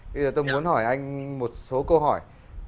bây giờ tôi muốn hỏi anh một số câu hỏi